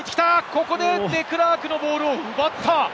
ここでデクラークのボールを奪った！